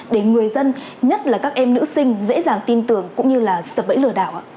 để người dân nhất là các em nữ sinh dễ dàng tin tưởng cũng như là sập bẫy lừa đảo ạ